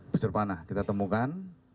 busur panah kita temukan